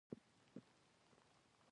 له دې سره مس هم ځکه مهم دي چې